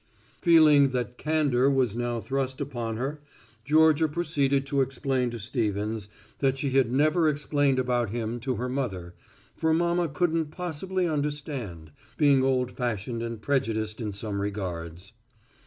Feeling that candor was now thrust upon her, Georgia proceeded to explain to Stevens that she had never explained about him to her mother, for mama couldn't possibly understand, being old fashioned and prejudiced in some regards.